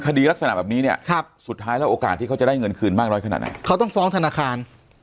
คลักษณะแบบนี้เนี้ยครับสุดท้ายแล้วโอกาสที่เขาจะได้เงินคืนมากเท่าไหร่ขนาดไหน